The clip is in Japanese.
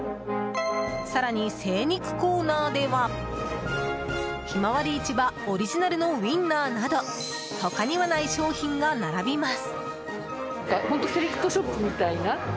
更に、精肉コーナーではひまわり市場オリジナルのウインナーなど他にはない商品が並びます。